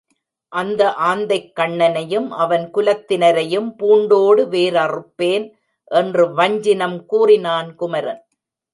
அந்த ஆந்தைக்கண்ணனையும் அவன் குலத்தினரையும் பூண்டோடு வேரறுப்பேன் என்று வஞ்சினம் கூறினான் குமரன்.